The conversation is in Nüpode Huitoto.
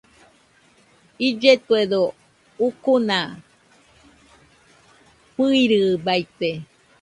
Illetuedo ucuna fɨirɨbaite.